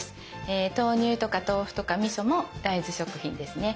豆乳とか豆腐とかみそも大豆食品ですね。